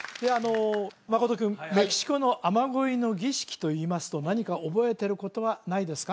真君メキシコの雨乞いの儀式といいますと何か覚えてることはないですか？